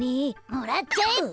もらっちゃえって！